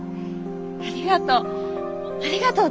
ありがとう。